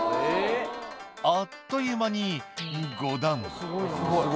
「あっという間に５段」